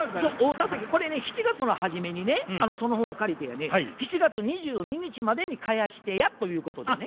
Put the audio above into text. これね７月の初めにねその本を借りてやね７月２２日までに返してやということでね。